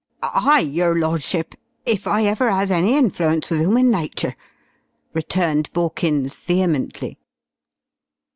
"I, your lordship if I ever 'as any influence with 'uman nature!" returned Borkins, vehemently.